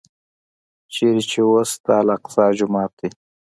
چېرته چې اوس د الاقصی جومات دی.